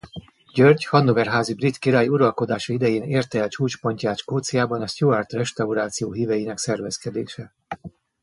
György Hannover-házi brit király uralkodása idején érte el csúcspontját Skóciában a Stuart-restauráció híveinek szervezkedése.